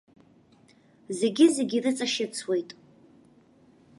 Зегьы зегьы ирыҵашьыцуеит.